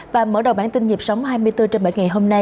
và mở đầu bản tin nhịp sống hai mươi bốn trên bảy ngày hôm nay